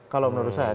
kalau menurut saya